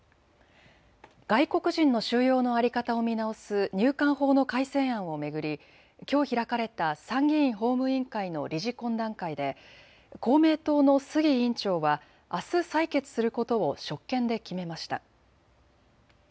外国人の収容の在り方を見直す入管法の改正案を巡りきょう開かれた参議院法務委員会の理事懇談会で公明党の杉委員長はあす採決することを職権で決めました。